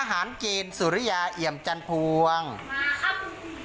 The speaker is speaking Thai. ทหารเกณฑ์สุริยาเหย่มจันทรฟวงมาครับ